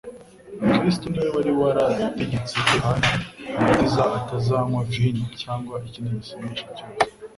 Kristo ni we wari warategetse ko Yohana Umubatiza atazanywa vino cyangwa ikindi gisindisha cyose.